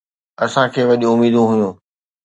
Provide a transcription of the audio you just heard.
اسان کي وڏيون اميدون هيون